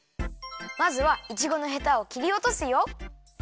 まずはいちごのヘタをきりおとすよ。